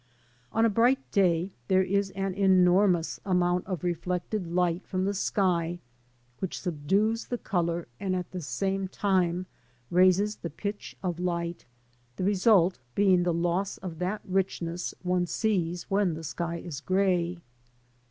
8i On a bright day there is an enormous amount of reflected light from the sky, which subdues the colour and at the same time raises the pitch of light, the result being the loss of that richness one sees when the sky is grey.